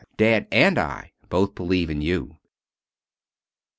Dad and I both believe in you."